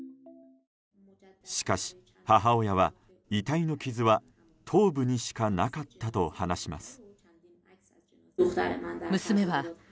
しかし、母親は遺体の傷は頭部にしかなかったと話します。